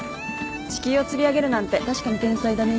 地球を釣り上げるなんて確かに天才だね。